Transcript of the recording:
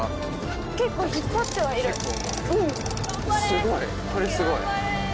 すごいこれすごい。